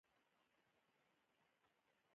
په اروپا کې د رنسانس ظهور وشو.